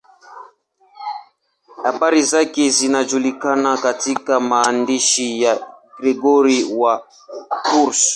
Habari zake zinajulikana katika maandishi ya Gregori wa Tours.